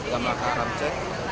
selama keharapan cek